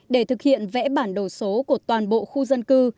để thực hiện vẽ bản đồ số của toàn bộ khu dân cư